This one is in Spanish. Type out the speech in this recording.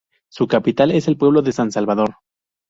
Su capital es el pueblo de San Salvador.